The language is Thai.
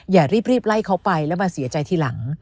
อย่ารีบไล่เขาไปแล้วมาเสียใจทีหลัง